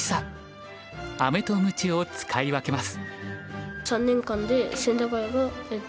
アメとムチを使い分けます。